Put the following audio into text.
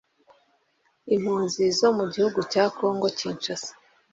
Impunzi zo mu gihugu cya Congo Kinshasa